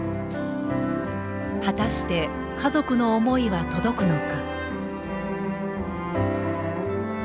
果たして家族の思いは届くのか。